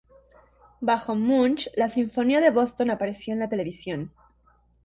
Bajo Munch, la Sinfónica de Boston apareció en la televisión.